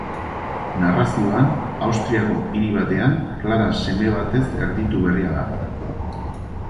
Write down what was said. Narrazioan, Austriako hiri batean, Klara seme batez erditu berria da.